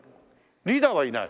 リーダーはいない？